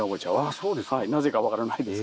はいなぜか分からないです